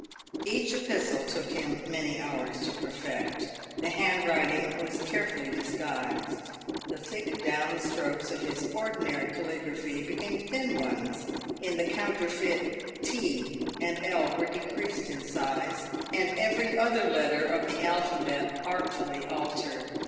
Each epistle took him many hours to perfect. The handwriting was carefully disguised. The thick down strokes of his ordinary cali graphy became thin ones in the counterfeit, t and I were decreased in size, and every other letter of the alphabet artfully altered.